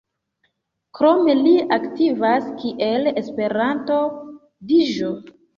Krome li aktivas kiel Esperanto-DĴ.